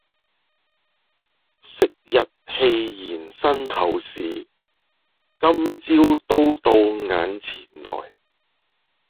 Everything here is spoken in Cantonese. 昔日戲言身后事，今朝都到眼前來。